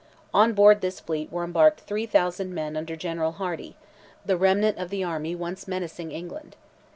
On board this fleet were embarked 3,000 men under General Hardi, the remnant of the army once menacing England.